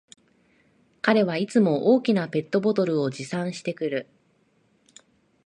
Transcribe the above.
彼はいつも大きなペットボトルを持参してくる